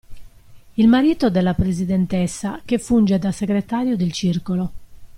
Il marito della presidentessa, che funge da segretario del circolo.